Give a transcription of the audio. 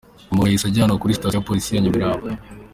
Umugabo yahise ajyanwa kuri Sitasiyo ya Polisi ya Nyamirambo.